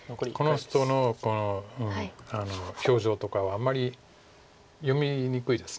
この人の表情とかはあんまり読みにくいです。